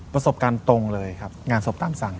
ประสบการณ์ตรงเลยครับงานศพตามสั่ง